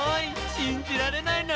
しんじられないな。